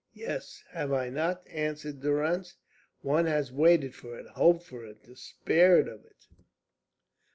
"Yes. Have I not?" answered Durrance. "One has waited for it, hoped for it, despaired of it."